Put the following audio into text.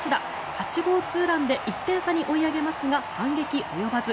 ８号ツーランで１点差に追い上げますが反撃及ばず。